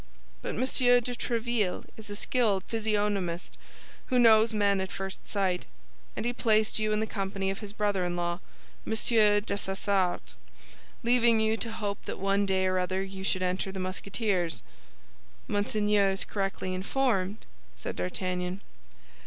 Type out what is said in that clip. But Monsieur de Tréville is a skilled physiognomist, who knows men at first sight; and he placed you in the company of his brother in law, Monsieur Dessessart, leaving you to hope that one day or other you should enter the Musketeers." "Monseigneur is correctly informed," said D'Artagnan.